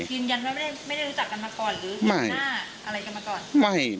ยืนยันว่าไม่ได้รู้จักกันมาก่อนหรือมองหน้าอะไรกันมาก่อน